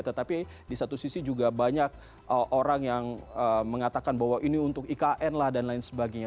tetapi di satu sisi juga banyak orang yang mengatakan bahwa ini untuk ikn lah dan lain sebagainya